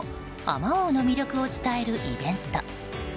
まおうの魅力を伝えるイベント。